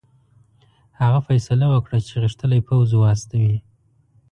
هغه فیصله وکړه چې غښتلی پوځ واستوي.